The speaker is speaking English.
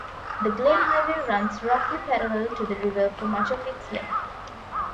The Glenn Highway runs roughly parallel to the river for much of its length.